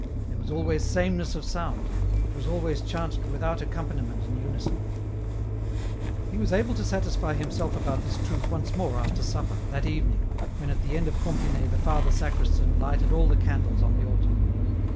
There was always sameness of sound, it was always chanted without accompaniment in unison. EN ROUTE. 269 He was able to satisfy himself about this truth once more after supper, that evening, when at the end oi Compline the father sacristan lighted all the candles on the altar.